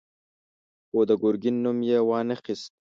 خو د ګرګين نوم يې وانه خيست.